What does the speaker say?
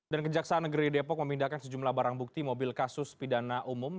dan kejaksaan negeri depok memindahkan sejumlah barang bukti mobil kasus pidana umum